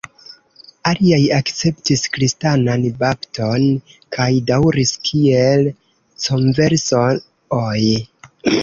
Aliaj akceptis kristanan bapton kaj daŭris kiel "converso"-oj.